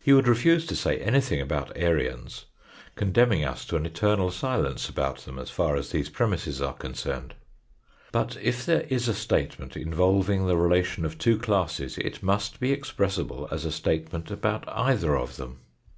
He would refuse to say anything about Aryans, condemning us to an eternal silence about them, as far as these premisses are concerned ! But, if there is a statement involving the relation of two classes, it must be expressible as a statement about either of them.